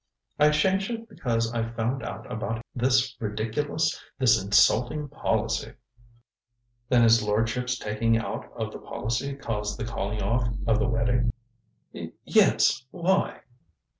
"I changed it because I found out about this ridiculous, this insulting policy." "Then his lordship's taking out of the policy caused the calling off of the wedding?" "Y yes. Why?"